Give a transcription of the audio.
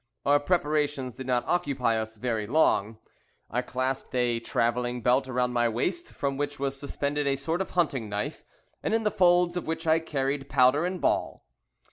Our preparations did not occupy us very long. I clasped a travelling belt round my waist, from which was suspended a sort of hunting knife, and in the folds of which I carried powder and ball.